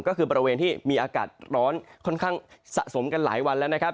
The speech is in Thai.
ก็คือบริเวณที่มีอากาศร้อนค่อนข้างสะสมกันหลายวันแล้วนะครับ